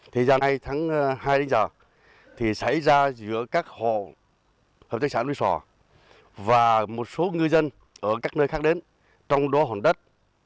thời gian nay tháng hai đến giờ thì xảy ra giữa các hộ hợp tác xã nuôi sò và một số người dân ở các nơi khác đến trong đô hồn đất